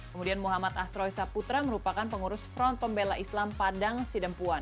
kemudian muhammad asroi saputra merupakan pengurus front pembela istri